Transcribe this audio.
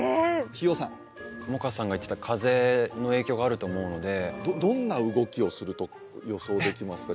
氷魚さん萌歌さんが言ってた風の影響があると思うのでどんな動きをすると予想できますか？